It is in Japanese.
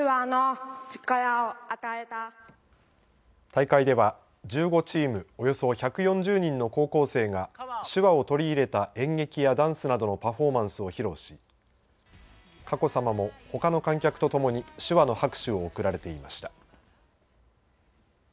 大会では１５チームおよそ１４０人の高校生が手話を取り入れた演劇やダンスなどのパフォーマンスを披露し佳子さまも、ほかの観客とともに手話の拍手を送られていました。